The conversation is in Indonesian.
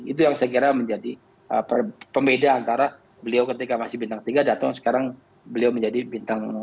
itu yang saya kira menjadi pembeda antara beliau ketika masih bintang tiga atau sekarang beliau menjadi bintang dua